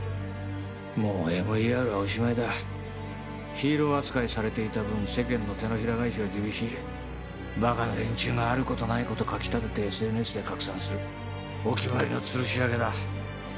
もうＭＥＲはおしまいだヒーロー扱いされていた分世間の手のひら返しは厳しいバカな連中があることないこと書き立ててＳＮＳで拡散するお決まりのつるし上げだ